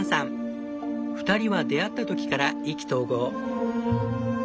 ２人は出会った時から意気投合。